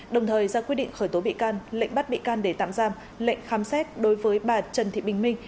đồng thời ra quyết định khởi tố bị can lệnh bắt bị can để tạm giam lệnh khám xét đối với bà trần thị bình minh